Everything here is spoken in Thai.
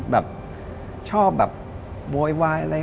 แบบชอบแบบโวยวายอะไร